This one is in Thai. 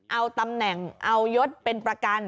เอาตำแหน่งเอายศเป็นประกัน